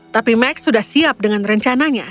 tapi max sudah siap dengan rencananya